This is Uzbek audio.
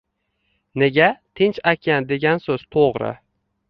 Nega Tinch okean degan soʻz toʻgʻri